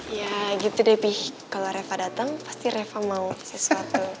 ya gitu deh pih kalo reva dateng pasti reva mau sesuatu